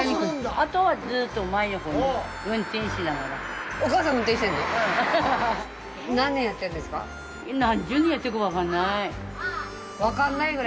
あとはずっと前のほうに運転しながら。